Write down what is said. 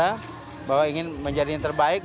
dan juga dari pemerintah yang menginginkan penyelenggara